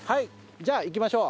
じゃあ行きましょう。